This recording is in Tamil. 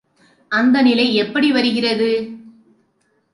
அந்த நிலை எப்படி வருகிறது?